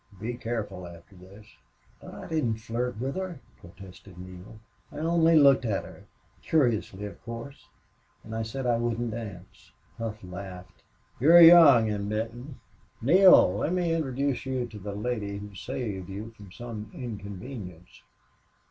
Be careful after this." "But I didn't flirt with her," protested Neale. "I only looked at her curiously, of course. And I said I wouldn't dance." Hough laughed. "You're young in Benton. Neale, let me introduce to you the lady who saved you from some inconvenience....